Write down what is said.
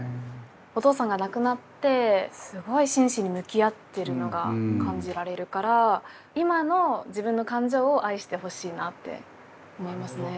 お父さんが亡くなってすごい真摯に向き合ってるのが感じられるから今の自分の感情を愛してほしいなって思いますね。